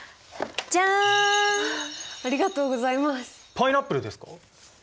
パイナップルですか？